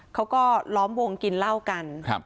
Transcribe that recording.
เขาก็ล้อมวงกินเหล้ากัน